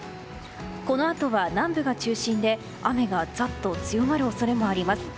このあとは南部が中心で、雨がざっと強まる恐れもあります。